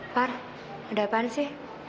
par ada apaan sih